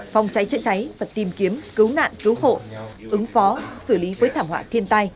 phòng cháy chữa cháy và tìm kiếm cứu nạn cứu hộ ứng phó xử lý với thảm họa thiên tai